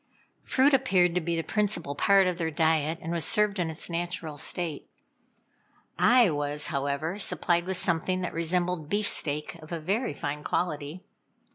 Fruit appeared to be the principal part of their diet, and was served in its natural state. I was, however, supplied with something that resembled beefsteak of a very fine quality.